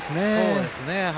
そうですね。